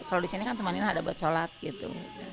kalau di sini kan teman ini ada buat sholat gitu